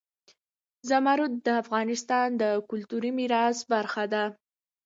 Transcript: زمرد د افغانستان د کلتوري میراث برخه ده.